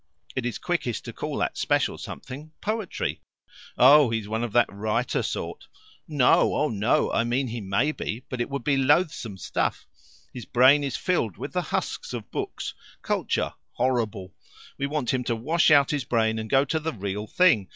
It is quickest to call that special something poetry " "Oh, he's one of that writer sort." "No oh no! I mean he may be, but it would be loathsome stiff. His brain is filled with the husks of books, culture horrible; we want him to wash out his brain and go to the real thing.